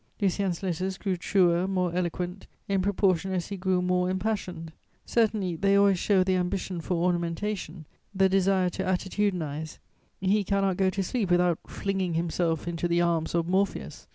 "Lucien's letters grew truer, more eloquent, in proportion as he grew more impassioned; certainly they always show the ambition for ornamentation, the desire to attitudinize; he cannot go to sleep without 'flinging himself into the arms of Morpheus.'